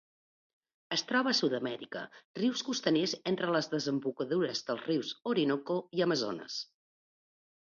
Es troba a Sud-amèrica: rius costaners entre les desembocadures dels rius Orinoco i Amazones.